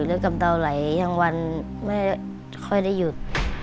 หรือกำเดาไหลทั้งวันไม่ค่อยได้หยุด